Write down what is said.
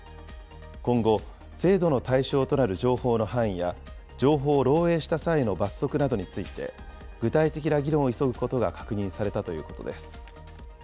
今後、制度の対象となる情報の範囲や、情報を漏えいした際の罰則などについて、具体的な議論を急ぐことが確認されたということです。